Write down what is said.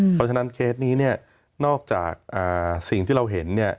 เพราะฉะนั้นเคสนี้นอกจากสิ่งที่เราเห็น